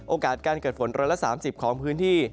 โอกาสการเกิดฝน๑๓๐ของพื้นที่